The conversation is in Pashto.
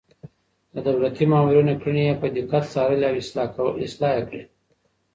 د دولتي مامورينو کړنې يې په دقت څارلې او اصلاح يې کړې.